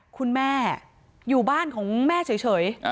คุณแม่อยู่บ้านของแม่เฉย